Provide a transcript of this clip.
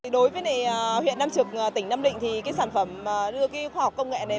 đối với huyện nam trực tỉnh nam định thì sản phẩm đưa khoa học công nghệ này